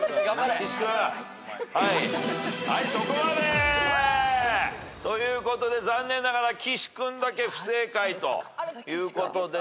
はいそこまで！ということで残念ながら岸君だけ不正解ということでね。